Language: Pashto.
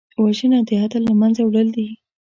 وژنه د عدل له منځه وړل دي